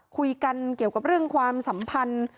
คุยกันเกี่ยวกับเรื่องความสัมพันธ์